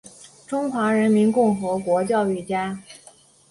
中华人民共和国教育家。